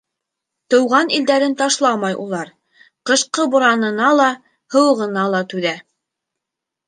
Тыуған илдәрен ташламай улар, ҡышҡы буранына ла, һыуығына ла түҙә.